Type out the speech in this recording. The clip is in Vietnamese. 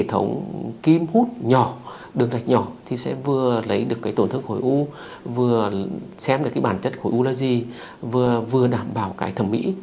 bóng kim hút nhỏ đường đạch nhỏ thì sẽ vừa lấy được cái tổn thức khối u vừa xem được cái bản chất khối u là gì vừa đảm bảo cái thẩm mỹ